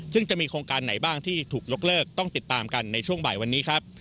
ซึ่งจะมีโครงการไหนบ้างที่ถูกยกเลิกต้องติดตามกันในช่วงบ่ายวันนี้ครับ